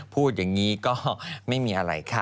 พูดอย่างนี้ก็ไม่มีอะไรค่ะ